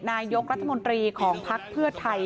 นายกรัฐมนตรีของภักดิ์เพื่อไทย